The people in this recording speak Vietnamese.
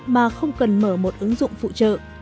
mà không cần mở một ứng dụng phụ trợ